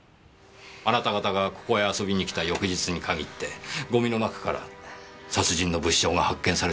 あなた方がここへ遊びに来た翌日に限ってゴミの中から殺人の物証が発見されているんですよ。